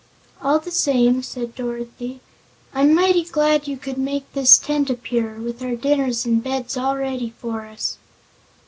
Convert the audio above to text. "All the same," said Dorothy, "I'm mighty glad you could make this tent appear, with our dinners and beds all ready for us."